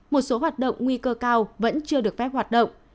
một số hoạt động nguy cơ cao vẫn chưa được phép hoạt động